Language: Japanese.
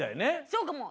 そうかも！